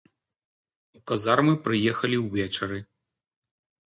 У казармы прыехалі ўвечары.